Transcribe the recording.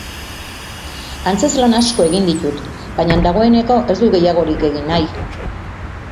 Antzezlan asko egin ditut, baina dagoeneko ez dut gehiagorik egin nahi.